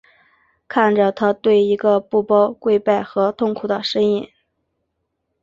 看着他对着一个布包跪拜和痛苦呻吟。